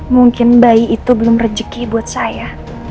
mungkin bayi itu belum rejeki buat saya